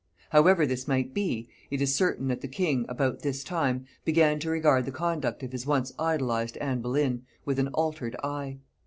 However this might be, it is certain that the king about this time began to regard the conduct of his once idolized Anne Boleyn with an altered eye.